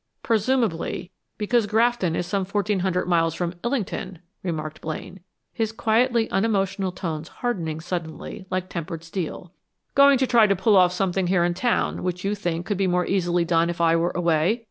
"Presumably because Grafton is some fourteen hundred miles from Illington," remarked Blaine, his quietly unemotional tones hardening suddenly like tempered steel. "Going to try to pull off something here in town which you think could be more easily done if I were away?